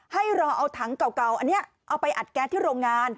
ให้รอเอาถังเก่าอันนี้เอาไปอัดแก๊สที่โรงงาน